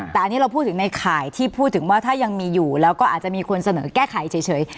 แต่อันนี้เราพูดถึงในข่ายที่พูดถึงว่าถ้ายังมีอยู่แล้วก็อาจจะมีคนเสนอแก้ไขเฉย